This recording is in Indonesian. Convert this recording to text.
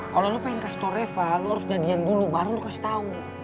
kalau lu pengen kasih tahu reva lu harus jadian dulu baru lu kasih tahu